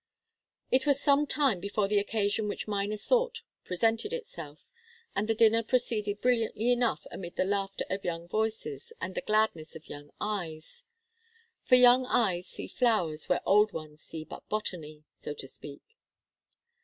It was some time before the occasion which Miner sought presented itself, and the dinner proceeded brilliantly enough amid the laughter of young voices and the gladness of young eyes. For young eyes see flowers where old ones see but botany, so to speak.